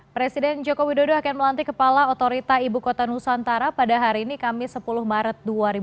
presiden joko widodo akan melantik kepala otorita ibu kota nusantara pada hari ini kamis sepuluh maret dua ribu dua puluh